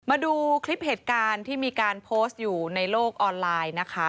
มาดูคลิปเหตุการณ์ที่มีการโพสต์อยู่ในโลกออนไลน์นะคะ